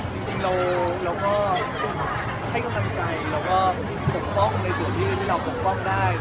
จริงเราก็ให้กำลังใจแล้วก็ปกป้องในส่วนที่เราปกป้องได้